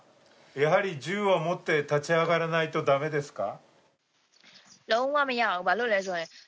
やはり銃は持って立ち上がらないとだめですか？